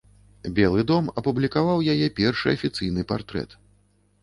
Белы дом апублікаваў яе першы афіцыйны партрэт.